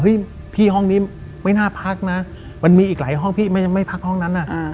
พี่ห้องนี้ไม่น่าพักนะมันมีอีกหลายห้องพี่ไม่พักห้องนั้นน่ะ